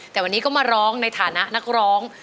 แต่วันนี้ก็มาร้องในฐานะนักร้อง